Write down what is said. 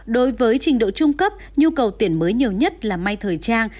đối với trình độ trung cấp nhu cầu tuyển mới nhiều nhất là may thời trang